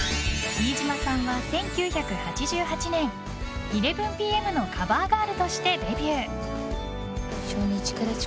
飯島さんは１９８８年「１１ＰＭ」のカバーガールとしてデビュー！